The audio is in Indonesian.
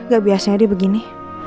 gak biasanya dia begini